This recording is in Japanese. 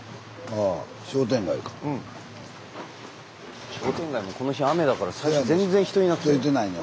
商店街もこの日雨だから最初全然人いなくて。